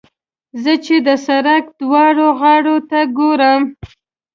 زه چې د سړک دواړو غاړو ته ګورم.